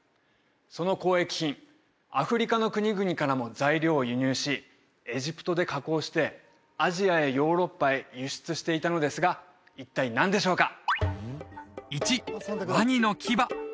その交易品アフリカの国々からも材料を輸入しエジプトで加工してアジアやヨーロッパへ輸出していたのですが一体何でしょうか？